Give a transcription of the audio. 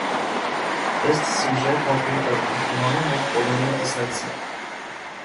Ըստ սյուժեի փոքրիկ տղան իմանում է, որ ունի դիսլեքսիա։